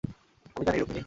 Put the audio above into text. আমি জানি, রুকমিনি।